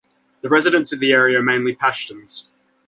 The residents of the area are mainly Pashtuns.